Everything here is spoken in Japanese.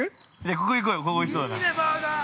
◆ここ行こうよ、ここ、おいしそうだから。